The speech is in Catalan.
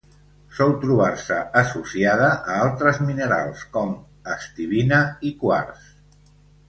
Sol trobar-se associada a altres minerals com: estibina i quars.